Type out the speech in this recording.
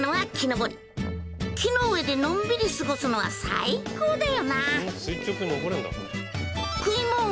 木の上でのんびり過ごすのは最高だよな！